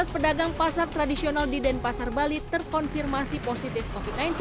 tujuh belas pedagang pasar tradisional di denpasar bali terkonfirmasi positif covid sembilan belas